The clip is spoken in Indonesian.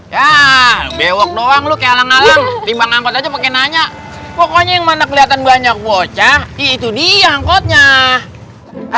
ya bewak doang lu kehalang halang timbang angkot aja makin nanya pokoknya yang mana kelihatan banyak bocah ya itu dia angkotnya